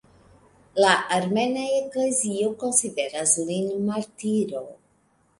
La Armena Eklezio konsideras lin martiro.